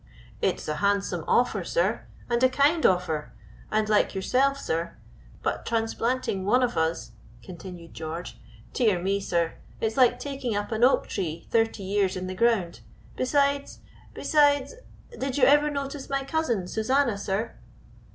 "It is a handsome offer, sir, and a kind offer and like yourself, sir, but transplanting one of us," continued George, "dear me, sir, it's like taking up an oak tree thirty years in the ground besides besides did you ever notice my cousin, Susanna, sir?"